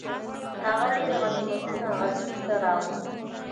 هغه ډیر غنیمتونه غزني ته راوړل.